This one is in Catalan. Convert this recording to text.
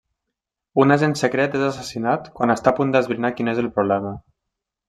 Un agent secret és assassinat quan està a punt d'esbrinar quin és el problema.